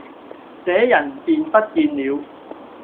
這人便不見了。